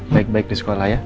baik baik di sekolah ya